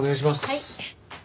はい。